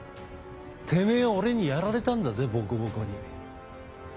てめぇは俺にやられたんだぜボコボコに。